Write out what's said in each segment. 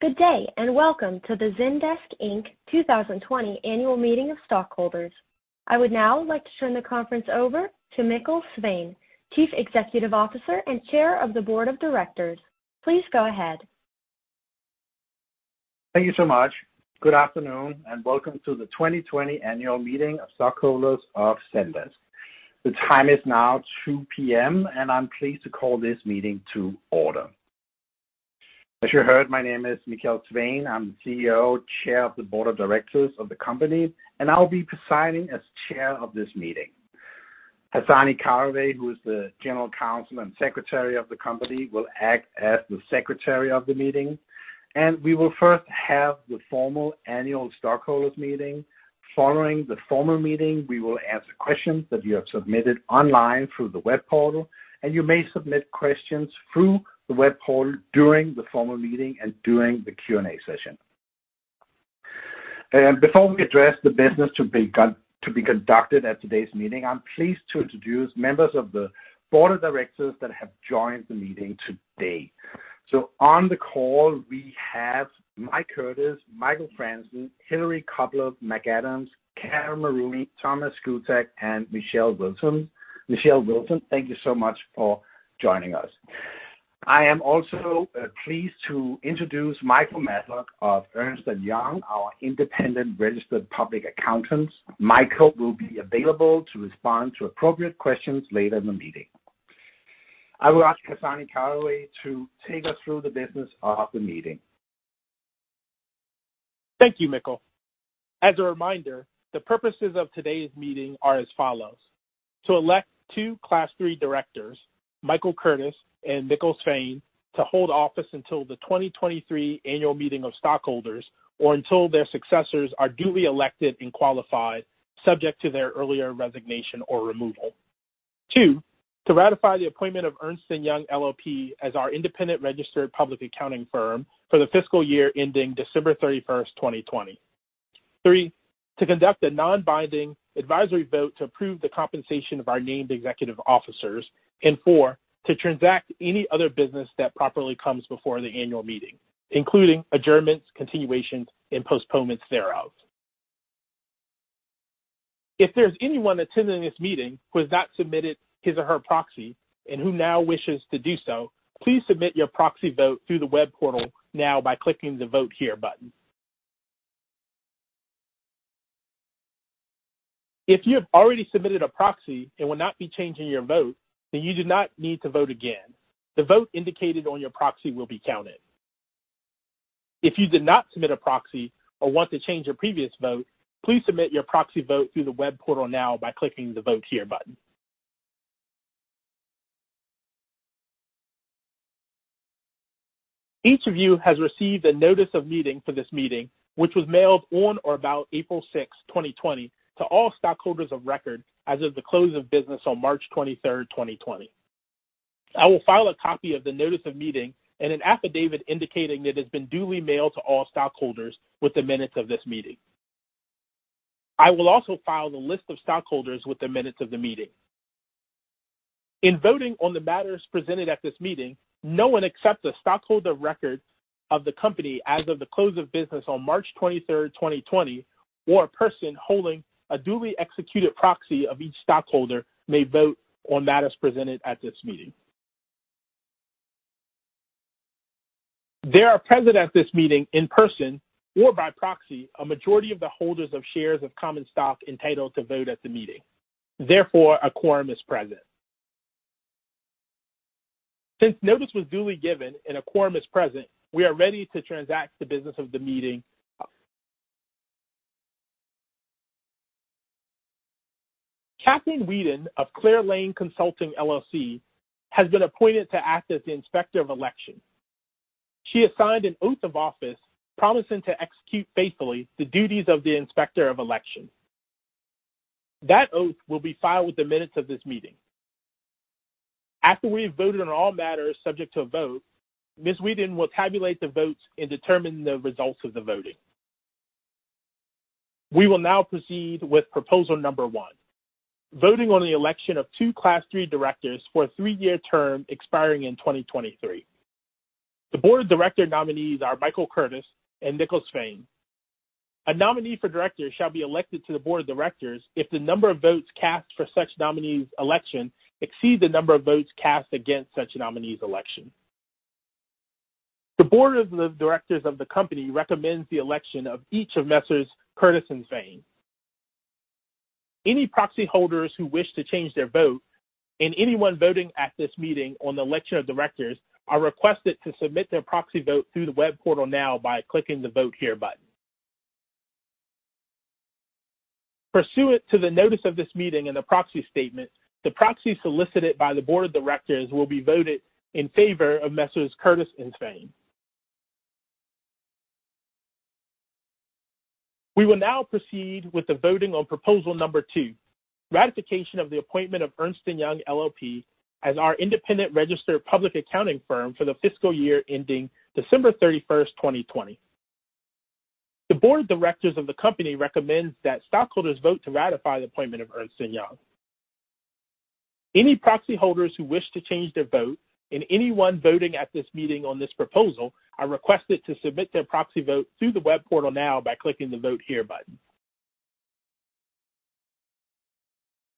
Good day, and welcome to the Zendesk, Inc. 2020 Annual Meeting of Stockholders. I would now like to turn the conference over to Mikkel Svane, Chief Executive Officer and Chair of the Board of Directors. Please go ahead. Thank you so much. Good afternoon. Welcome to the 2020 annual meeting of stockholders of Zendesk. The time is now 2:00 P.M., and I'm pleased to call this meeting to order. As you heard, my name is Mikkel Svane. I'm the CEO, Chair of the Board of Directors of the company, and I'll be presiding as Chair of this meeting. Hasani Caraway, who is the General Counsel and Secretary of the company, will act as the secretary of the meeting. We will first have the formal annual stockholders meeting. Following the formal meeting, we will answer questions that you have submitted online through the web portal, and you may submit questions through the web portal during the formal meeting and during the Q&A session. Before we address the business to be conducted at today's meeting, I'm pleased to introduce members of the board of directors that have joined the meeting today. On the call, we have Mike Curtis, Mikkel Svane, Hilarie Koplow-McAdams, Mike Adams, Caryn Marooney, Thomas Götze, and Michelle Wilson. Michelle Wilson, thank you so much for joining us. I am also pleased to introduce Michael Matlock of Ernst & Young, our independent registered public accountants. Michael will be available to respond to appropriate questions later in the meeting. I will ask Hasani Caraway to take us through the business of the meeting. Thank you, Mikkel. As a reminder, the purposes of today's meeting are as follows: to elect two Class III directors, Michael Curtis and Mikkel Svane, to hold office until the 2023 annual meeting of stockholders, or until their successors are duly elected and qualified, subject to their earlier resignation or removal. Two, to ratify the appointment of Ernst & Young LLP as our independent registered public accounting firm for the fiscal year ending December 31st, 2020. Three, to conduct a non-binding advisory vote to approve the compensation of our named executive officers. Four, to transact any other business that properly comes before the annual meeting, including adjournments, continuations, and postponements thereof. If there's anyone attending this meeting who has not submitted his or her proxy, and who now wishes to do so, please submit your proxy vote through the web portal now by clicking the Vote Here button. If you have already submitted a proxy and will not be changing your vote, then you do not need to vote again. The vote indicated on your proxy will be counted. If you did not submit a proxy or want to change your previous vote, please submit your proxy vote through the web portal now by clicking the Vote Here button. Each of you has received a notice of meeting for this meeting, which was mailed on or about April 6, 2020, to all stockholders of record as of the close of business on March 23rd, 2020. I will file a copy of the notice of meeting and an affidavit indicating that it has been duly mailed to all stockholders with the minutes of this meeting. I will also file the list of stockholders with the minutes of the meeting. In voting on the matters presented at this meeting, no one except the stockholder of record of the company as of the close of business on March 23rd, 2020, or a person holding a duly executed proxy of each stockholder may vote on matters presented at this meeting. There are present at this meeting in person or by proxy, a majority of the holders of shares of common stock entitled to vote at the meeting. Therefore, a quorum is present. Since notice was duly given and a quorum is present, we are ready to transact the business of the meeting. Kathleen Weeden of Clear Lane Consulting LLC has been appointed to act as the Inspector of Election. She has signed an oath of office promising to execute faithfully the duties of the Inspector of Election. That oath will be filed with the minutes of this meeting. After we have voted on all matters subject to a vote, Ms. Weeden will tabulate the votes and determine the results of the voting. We will now proceed with proposal number one, voting on the election of 2 Class III directors for a three-year term expiring in 2023. The board of director nominees are Michael Curtis and Mikkel Svane. A nominee for director shall be elected to the board of directors if the number of votes cast for such nominee's election exceed the number of votes cast against such nominee's election. The board of the directors of the company recommends the election of each of Messrs. Curtis and Svane. Any proxy holders who wish to change their vote and anyone voting at this meeting on the election of directors are requested to submit their proxy vote through the web portal now by clicking the Vote Here button. Pursuant to the notice of this meeting and the proxy statement, the proxy solicited by the board of directors will be voted in favor of Messrs. Curtis and Svane. We will now proceed with the voting on proposal number 2, ratification of the appointment of Ernst & Young LLP as our independent registered public accounting firm for the fiscal year ending December 31st, 2020. The board of directors of the company recommends that stockholders vote to ratify the appointment of Ernst & Young. Any proxy holders who wish to change their vote and anyone voting at this meeting on this proposal are requested to submit their proxy vote through the web portal now by clicking the Vote Here button.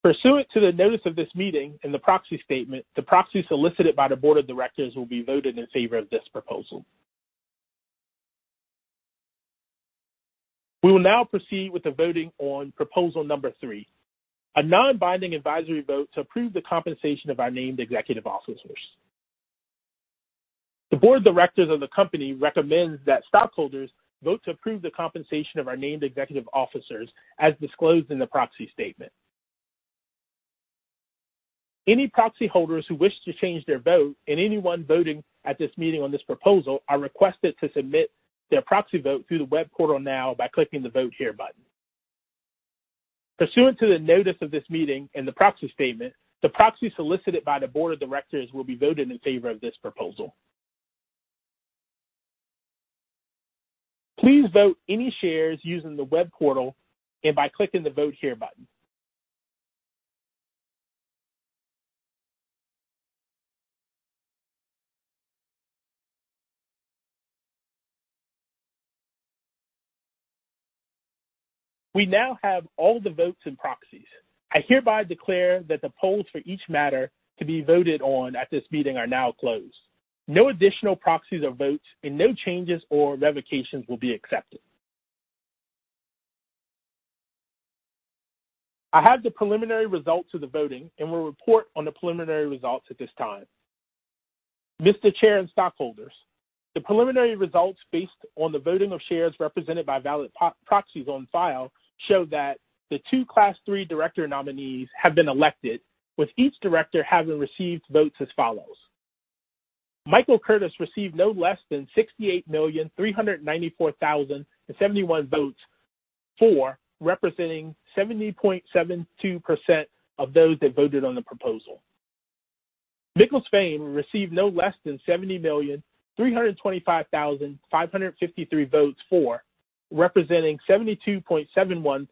Pursuant to the notice of this meeting and the proxy statement, the proxy solicited by the board of directors will be voted in favor of this proposal. We will now proceed with the voting on proposal number 3, a non-binding advisory vote to approve the compensation of our named executive officers. The board of directors of the company recommends that stockholders vote to approve the compensation of our named executive officers as disclosed in the proxy statement. Any proxy holders who wish to change their vote and anyone voting at this meeting on this proposal are requested to submit their proxy vote through the web portal now by clicking the Vote Here button. Pursuant to the notice of this meeting and the proxy statement, the proxy solicited by the board of directors will be voted in favor of this proposal. Please vote any shares using the web portal and by clicking the Vote Here button. We now have all the votes and proxies. I hereby declare that the polls for each matter to be voted on at this meeting are now closed. No additional proxies or votes and no changes or revocations will be accepted. I have the preliminary results of the voting and will report on the preliminary results at this time. Mr. Chair and stockholders, the preliminary results based on the voting of shares represented by valid proxies on file show that the two Class III director nominees have been elected, with each director having received votes as follows: Michael Curtis received no less than 68,394,071 votes, representing 70.72% of those that voted on the proposal. Mikkel Svane received no less than 70,325,553 votes, representing 72.71%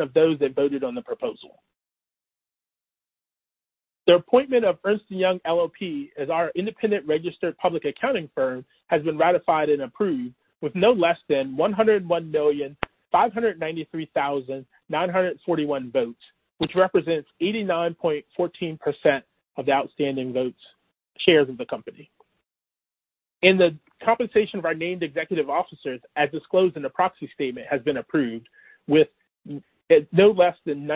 of those that voted on the proposal. The appointment of Ernst & Young LLP as our independent registered public accounting firm has been ratified and approved with no less than 101,593,941 votes, which represents 89.14% of the outstanding votes shares of the company. The compensation of our named executive officers, as disclosed in the proxy statement, has been approved with no less than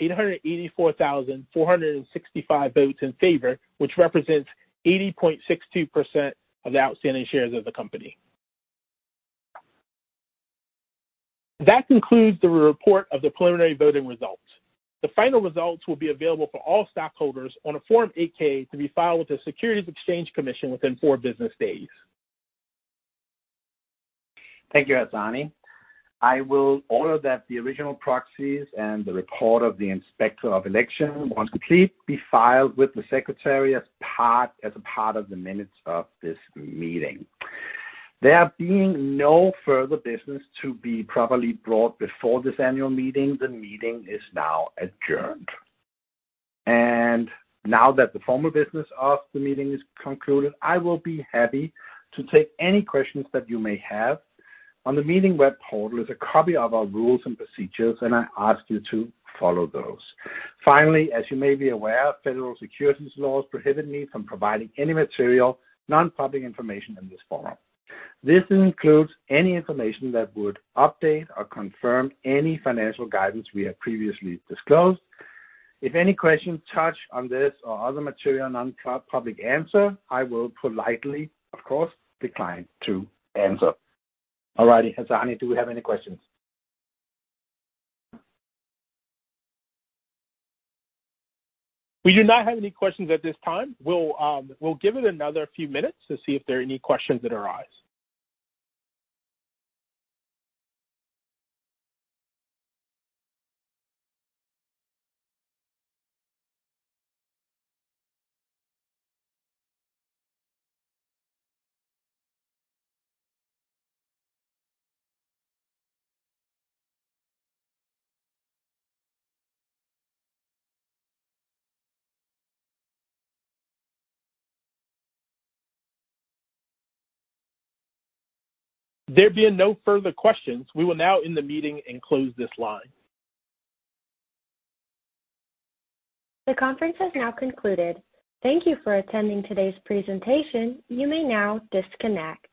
91,884,465 votes in favor, which represents 80.62% of the outstanding shares of the company. That concludes the report of the preliminary voting results. The final results will be available for all stockholders on a Form 8-K to be filed with the Securities and Exchange Commission within four business days. Thank you, Hasani. I will order that the original proxies and the report of the Inspector of Election, once complete, be filed with the Secretary as a part of the minutes of this meeting. There being no further business to be properly brought before this annual meeting, the meeting is now adjourned. Now that the formal business of the meeting is concluded, I will be happy to take any questions that you may have. On the meeting web portal is a copy of our rules and procedures, and I ask you to follow those. Finally, as you may be aware, federal securities laws prohibit me from providing any material non-public information in this forum. This includes any information that would update or confirm any financial guidance we have previously disclosed. If any questions touch on this or other material non-public answer, I will politely, of course, decline to answer. All righty, Hasani, do we have any questions? We do not have any questions at this time. We'll give it another few minutes to see if there are any questions that arise. There being no further questions, we will now end the meeting and close this line. The conference has now concluded. Thank you for attending today's presentation. You may now disconnect.